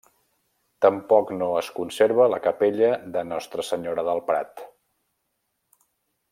Tampoc no es conserva la capella de Nostra Senyora del Prat.